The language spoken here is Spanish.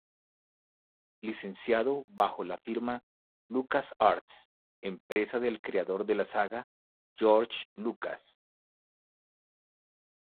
Licenciado bajo la firma LucasArts, empresa del creador de la saga, George Lucas.